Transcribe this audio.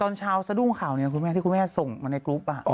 ตอนเช้าซะดูงข่าวที่คุณแม่ส่งมาในกรุ๊ป